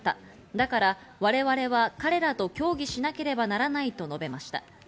だから我々は彼らと協議しなければならないと述べました。